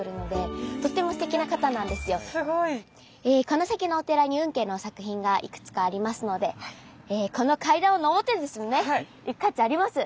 この先のお寺に運慶の作品がいくつかありますのでこの階段を上ってですね行く価値あります。